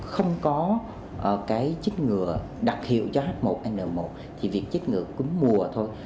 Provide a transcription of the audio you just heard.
không có cái chích ngừa đặc hiệu cho h một n một thì việc chích ngừa cúm mùa thôi